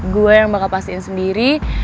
gue yang bakal pastiin sendiri